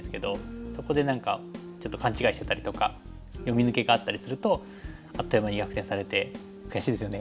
そこで何かちょっと勘違いしてたりとか読み抜けがあったりするとあっという間に逆転されて悔しいですよね。